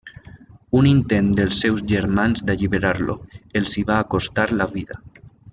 Un intent dels seus germans d'alliberar-lo, els hi va costar la vida.